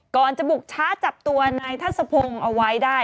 ก่อนจะบุกช้าจับตัวในท่าสะพงเอาไว้ได้